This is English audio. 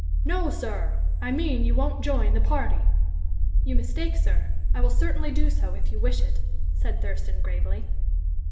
"No, sir! I mean you won't join the party." "You mistake, sir. I will certainly do so, if you wish it," said Thurston, gravely.